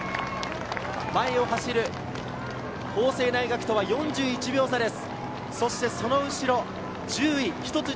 前を走る法政大学とは４１秒差です。